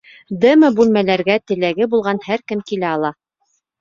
Демо-бүлмәләргә теләге булған һәр кем килә ала.